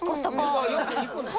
よく行くんですか？